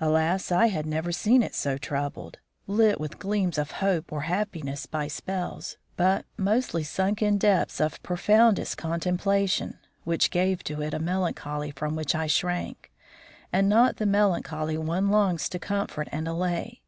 Alas! I had never seen it so troubled; lit with gleams of hope or happiness by spells, but mostly sunk in depths of profoundest contemplation, which gave to it a melancholy from which I shrank, and not the melancholy one longs to comfort and allay.